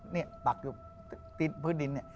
นี่ปักอยู่ติดพื้นดินเนี่ย